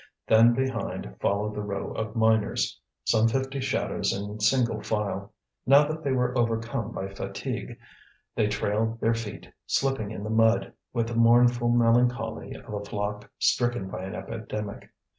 Then behind followed the row of miners, some fifty shadows in single file. Now that they were overcome by fatigue, they trailed their feet, slipping in the mud, with the mournful melancholy of a flock stricken by an epidemic.